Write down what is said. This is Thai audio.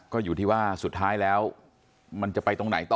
ก็อยู่ที่ว่าสุดท้ายแล้วมันจะไปตรงไหนต่อ